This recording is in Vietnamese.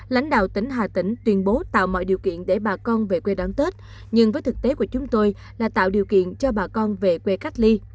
lãnh đạo tỉnh hà tĩnh tuyên bố tạo mọi điều kiện để bà con về quê đón tết nhưng với thực tế của chúng tôi là tạo điều kiện cho bà con về quê cách ly